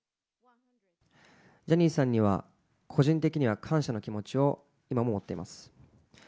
ジャニーさんには個人的には感謝の気持ちを今も持っています。